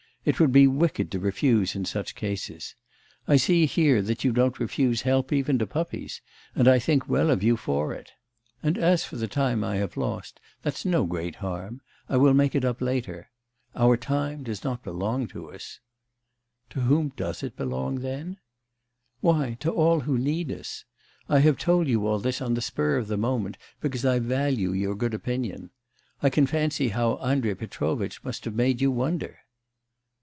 It would be wicked to refuse in such cases. I see here that you don't refuse help even to puppies, and I think well of you for it. And as for the time I have lost, that's no great harm; I will make it up later. Our time does not belong to us.' 'To whom does it belong then?' 'Why, to all who need us. I have told you all this on the spur of the moment, because I value your good opinion. I can fancy how Andrei Petrovitch must have made you wonder!